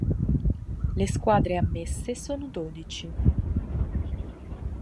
Le squadre ammesse sono dodici.